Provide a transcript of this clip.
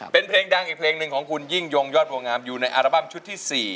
เป็นเพลงดังอีกเพลงหนึ่งของคุณยิ่งยงยอดวงงามอยู่ในอัลบั้มชุดที่๔